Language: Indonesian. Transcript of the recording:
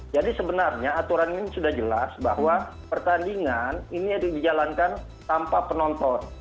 jadi sebenarnya aturan ini sudah jelas bahwa pertandingan ini harus dijalankan tanpa penonton